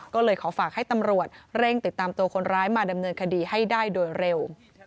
ก็เลยขอฝากให้ตำรวจเร่งติดตามตัวคนร้ายมาดำเนินคดีให้ได้โดยเร็ว